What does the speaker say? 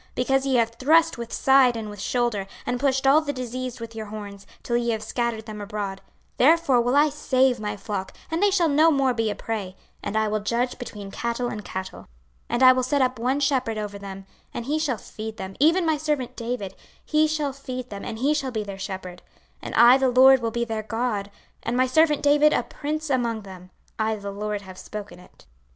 26:034:021 Because ye have thrust with side and with shoulder, and pushed all the diseased with your horns, till ye have scattered them abroad; 26:034:022 Therefore will I save my flock, and they shall no more be a prey; and I will judge between cattle and cattle. 26:034:023 And I will set up one shepherd over them, and he shall feed them, even my servant David; he shall feed them, and he shall be their shepherd. 26:034:024 And I the LORD will be their God, and my servant David a prince among them; I the LORD have spoken it.